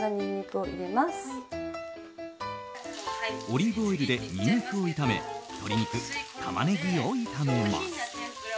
オリーブオイルでニンニクを炒め鶏肉、タマネギを炒めます。